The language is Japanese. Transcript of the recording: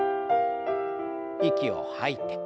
息を吐いて。